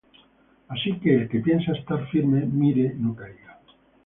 Así que, el que piensa estar firme, mire no caiga.